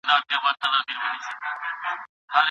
د ګاونډيانو حقونه مه هېروئ.